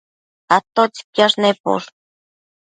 ¿atotsi quiash neposh?